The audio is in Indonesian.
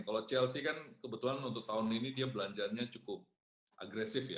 kalau chelsea kan kebetulan untuk tahun ini dia belanjanya cukup agresif ya